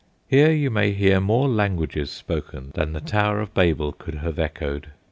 Here you may hear more languages spoken than the Tower of Babel could have echoed.